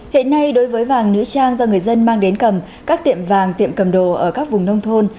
hiện nay đối với vàng nữ trang do người dân mang đến cầm các tiệm vàng tiệm cầm đồ ở các vùng nông thôn